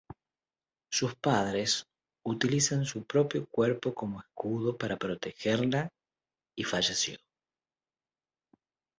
Sus padres utilizan su propio cuerpo como escudo para protegerla y falleció.